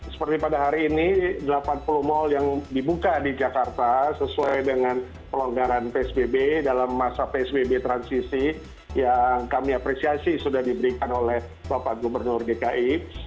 seperti pada hari ini delapan puluh mal yang dibuka di jakarta sesuai dengan pelonggaran psbb dalam masa psbb transisi yang kami apresiasi sudah diberikan oleh bapak gubernur dki